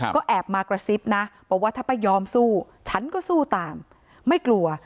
ก็แอบมากระซิบนะบอกว่าถ้าป้ายอมสู้ฉันก็สู้ตามไม่กลัว